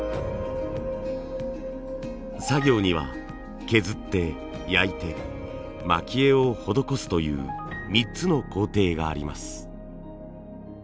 作業には削って焼いて蒔絵を施すという３つの工程があります。